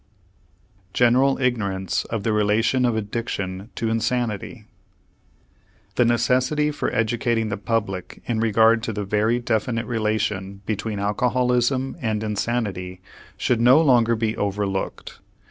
GENERAL IGNORANCE OF THE RELATION OF ADDICTION TO INSANITY The necessity for educating the public in regard to the very definite relation between alcoholism and insanity should no longer be overlooked.